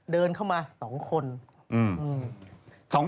เดินเข้ามา๒คน